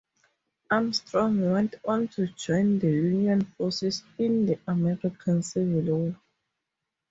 Armstrong went on to join the Union forces in the American Civil War.